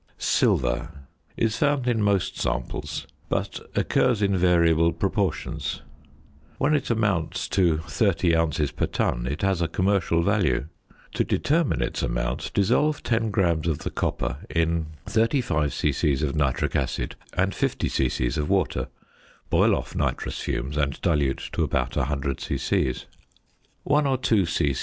~Silver~ is found in most samples, but occurs in variable proportions; when it amounts to 30 ounces per ton it has a commercial value. To determine its amount, dissolve 10 grams of the copper in 35 c.c. of nitric acid and 50 c.c. of water, boil off nitrous fumes, and dilute to about 100 c.c. One or two c.c.